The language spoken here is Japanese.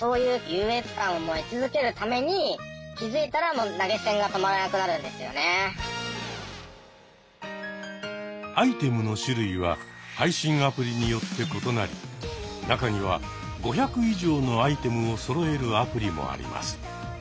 そうするとアイテムの種類は配信アプリによって異なり中には５００以上のアイテムをそろえるアプリもあります。